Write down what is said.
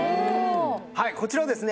はいこちらはですね